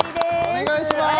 お願いします